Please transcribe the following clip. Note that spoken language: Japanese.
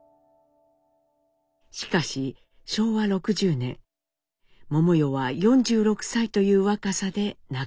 しかし昭和６０年百代は４６歳という若さで亡くなります。